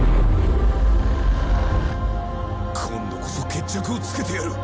今度こそ決着をつけてやる。